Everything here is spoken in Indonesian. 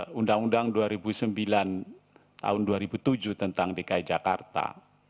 undang undang dua ribu sembilan tahun dua ribu tujuh tentang dki jakarta